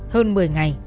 hơn một mươi ngày